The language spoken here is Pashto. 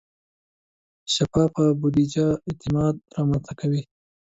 شفافه بودیجه اعتماد رامنځته کوي.